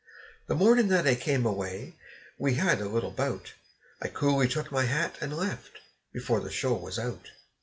The mornin' that I come away, we had a little bout; I coolly took my hat and left, before the show was out.